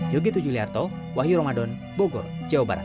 yo gitu juliarto wahyu romadhon bogor jawa barat